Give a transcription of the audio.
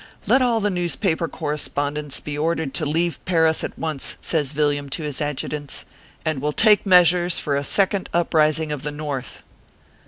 Let all the newspaper correspondents be ordered to leave Paris at once," says Villiam to his adjutants, " and we ll take measures for a second uprising of the North."